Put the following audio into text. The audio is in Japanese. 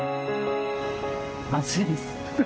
暑いです。